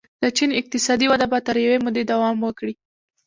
د چین اقتصادي وده به تر یوې مودې دوام وکړي.